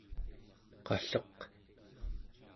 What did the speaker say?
qalleq